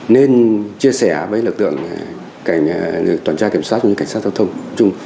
nên chia sẻ với lực lượng toàn tra kiểm soát và cảnh sát giao thông